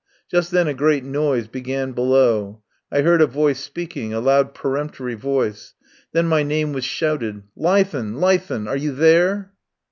Just then a great noise began below. I heard a voice speaking, a loud peremptory voice. Then my name was shouted: "Leithen! Leithen! Are you there?"